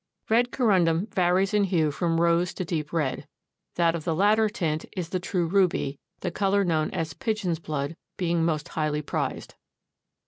Red Corundum varies in hue from rose to deep red. That of the latter tint is the true ruby, the color known as pigeon's blood being most highly prized.